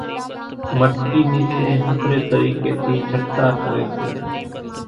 مٽڪي نيسين ۿڦري طريقي ٿي ڇٽڪار ڪري سي۔